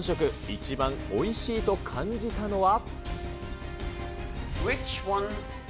一番おいしいと感じたのは。